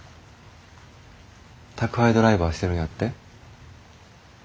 宅配ドライバーしてるんやって？